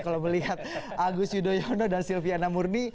kalau melihat agus yudhoyono dan silviana murni